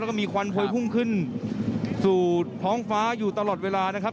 แล้วก็มีควันโพยพุ่งขึ้นสู่ท้องฟ้าอยู่ตลอดเวลานะครับ